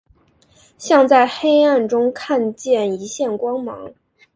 像在黑暗中看见一线光芒